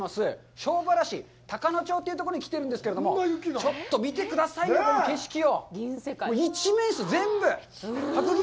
庄原市高野町というところに来ているんですけれども、ちょっと見てくださいよ、この景色を。